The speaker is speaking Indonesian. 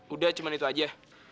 udah cuman itu aja